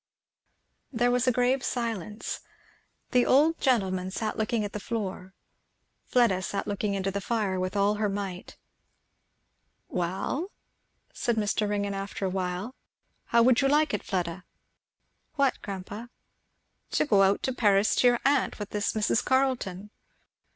There was a grave silence. The old gentleman sat looking on the floor; Fleda sat looking into the fire, with all her might. "Well," said Mr. Ringgan after a little, "how would you like it, Fleda?" "What, grandpa?" "To go out to Paris to your aunt, with this Mrs. Carleton?"